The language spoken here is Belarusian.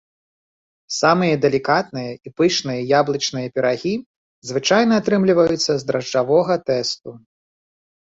Самыя далікатныя і пышныя яблычныя пірагі звычайна атрымліваюцца з дражджавога тэсту.